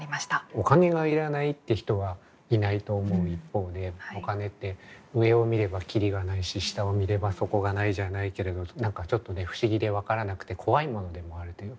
お金が要らないって人はいないと思う一方でお金って上を見ればキリがないし下を見れば底がないじゃないけれど何かちょっとね不思議で分からなくて怖いものでもあるというかね。